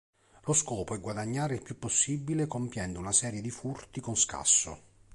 Lo scopo è guadagnare il più possibile compiendo una serie di furti con scasso.